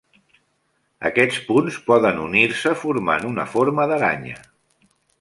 Aquests punts poden unir-se formant una forma d'aranya.